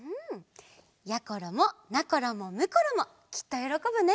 やころもなころもむころもきっとよろこぶね。